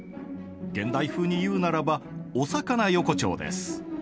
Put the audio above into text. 現代風に言うならば「お魚横丁」です。